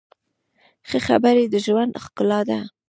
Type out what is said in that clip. ښه خبرې د ژوند ښکلا ده.